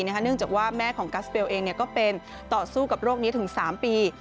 เนื่องจากว่าแม่ของกัสเบลเองก็เป็นต่อสู้กับโรคนี้ถึง๓ปี